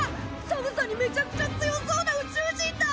寒さにめちゃくちゃ強そうな宇宙人だ！